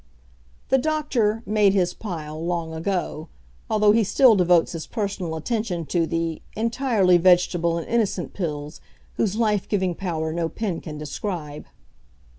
The doctor "made his pile" long ago, although he still devotes his personal attention to the "entirely vegetable and innocent pills, whose life giving power no pen can describe."